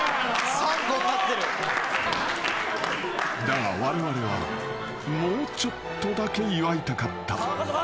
［だがわれわれはもうちょっとだけ祝いたかった］